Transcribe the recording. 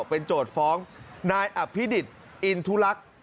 เป็นโจทย์ฟ้องนายอภิดิษฐ์อินทุลักษณ์